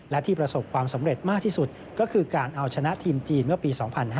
และที่ประสบความสำเร็จมากที่สุดก็คือการเอาชนะทีมจีนเมื่อปี๒๕๕๙